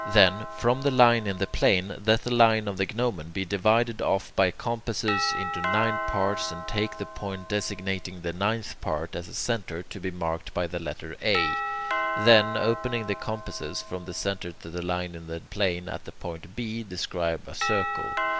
Then, from the line in the plane, let the line of the gnomon be divided off by the compasses into nine parts, and take the point designating the ninth part as a centre, to be marked by the letter A. Then, opening the compasses from that centre to the line in the plane at the point B, describe a circle.